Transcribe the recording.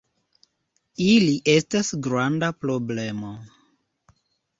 Ili estas granda problemo.